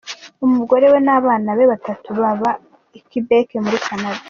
Umugore we n’abana be batatu baba I Quebec muri Canada.